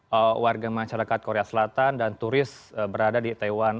sebagai masyarakat korea selatan dan turis berada di itaewon